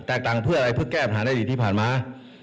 แตกต่างเพื่ออะไรเพื่อแก้อันดันที่ผ่านมา